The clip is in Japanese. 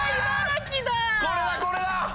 これだこれだ！